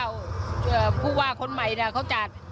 ะพรภาน๒๔๙๙ภูวะคนใหม่น่ะเขาจัด